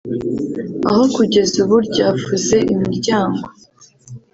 aho kugeza ubu ryafuze imiryango